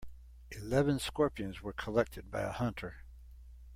Eleven scorpions were collected by a hunter.